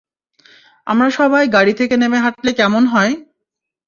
আমরা সবাই গাড়ি থেকে নেমে হাঁটলে কেমন হয়?